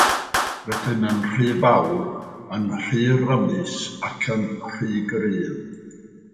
Rydym yn rhy fawr, yn rhy rymus ac yn rhy gryf.